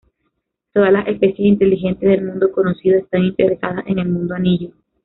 Todas las especies inteligentes del mundo conocido están interesadas en el mundo anillo.